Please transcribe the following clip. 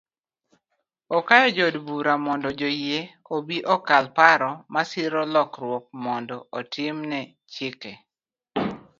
Okayo jood bura mondo joyie obi okal paro masiro lokruok mondo otim ne chike